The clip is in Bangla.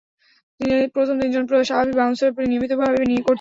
প্রথম তিনজন স্বাভাবিক বাউন্সার নিয়মিতভাবে করছিলেন।